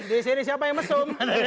di sini siapa yang mesum